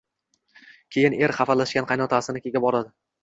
Keyin er xafalashgan qaynotasinikiga boradi